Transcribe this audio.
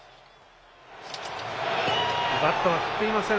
バットは振っていません。